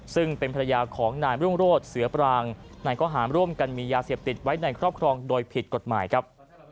ซึ่งเป็นภรรยาของนายรุ่งโรศเสือปรางในข้อหารร่วมกันมียาเสพติดไว้ในครอบครองโดยผิดกฎหมายครับ